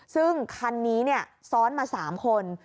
ซึ่งคันนี้ซ้อนมา๓คน